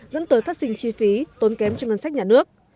dẫn tới phát sinh chi phí tốn kém cho ngân sách nhà nước